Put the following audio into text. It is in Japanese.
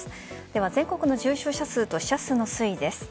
では全国の重症者数と死者数の推移です。